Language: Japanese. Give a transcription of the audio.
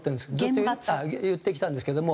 言ってきたんですけども。